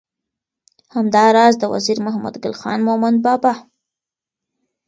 همدا راز د وزیر محمد ګل خان مومند بابا